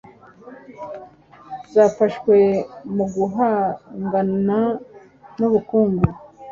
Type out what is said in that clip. Zafashwe muguhangana nubukungu